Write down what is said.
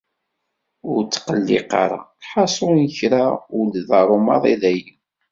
Ur ttqelliq ara! Lḥaṣun kra ur d-iḍerru maḍi dayi.